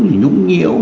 những cái nhũng nhiễu